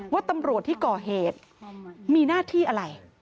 ว่าตำรวจที่ก่อเหตุมีหน้าที่อะไร